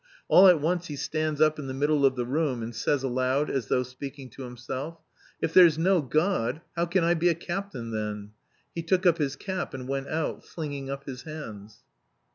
All at once he stands up in the middle of the room and says aloud, as though speaking to himself: 'If there's no God, how can I be a captain then?' He took up his cap and went out, flinging up his hands."